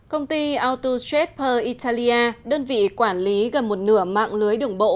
công ty autostrade per italia đơn vị quản lý gần một nửa mạng lưới đủng bộ